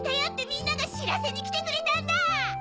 みんながしらせにきてくれたんだ！